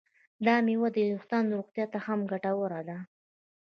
دا میوه د ویښتانو روغتیا ته هم ګټوره ده.